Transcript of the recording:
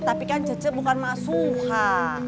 tapi kan cecep bukan mas suha